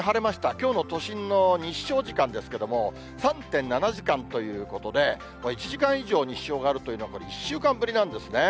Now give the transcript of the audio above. きょうの都心の日照時間ですけども、３．７時間ということで、もう１時間以上日照があるというのは、これ１週間ぶりなんですね。